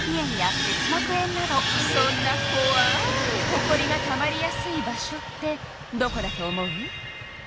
そんなこわいほこりがたまりやすい場所ってどこだと思う？